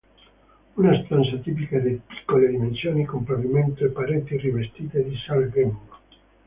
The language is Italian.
Una stanza tipica è di piccole dimensioni con pavimento e pareti rivestite di salgemma.